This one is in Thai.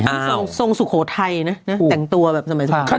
ที่ทรงสุโขทัยนะแต่งตัวแบบสมัยสุโขทัย